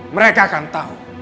mereka akan tahu